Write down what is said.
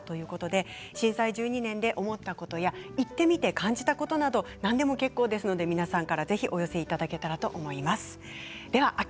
震災１２年、伝えたい東北の今ということで震災１２年で思ったこと行ってみて感じたことなど何でも結構です皆さんからぜひお寄せいただけたらと思います。